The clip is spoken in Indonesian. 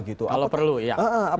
kalau perlu ya